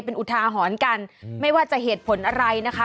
เป็นอุทาหรณ์กันไม่ว่าจะเหตุผลอะไรนะคะ